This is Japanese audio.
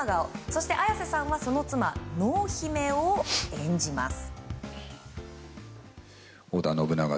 そして綾瀬さんはその妻濃姫を演じます。